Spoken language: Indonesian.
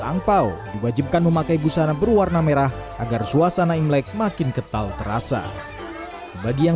angpao diwajibkan memakai busana berwarna merah agar suasana imlek makin ketal terasa bagi yang